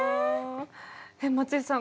松井さん